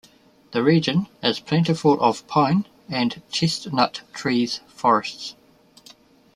The region is plentiful of pine and chestnut trees forests.